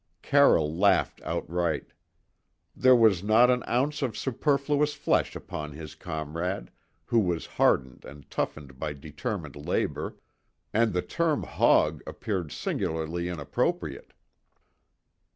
Carroll laughed outright. There was not an ounce of superfluous flesh upon his comrade, who was hardened and toughened by determined labour, and the term hog appeared singularly inappropriate.